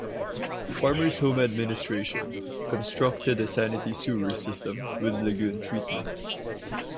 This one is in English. Farmers Home Administration, constructed a sanitary sewer system, with lagoon treatment.